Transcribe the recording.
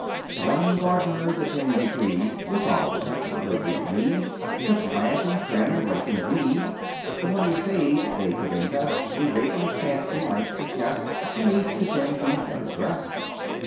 One gardener, the ten decreed, Was all the neighborhood would need To plant and trim and rake and weed. The money saved they could invest As vagrant fancy might suggest, And each could then be better dressed.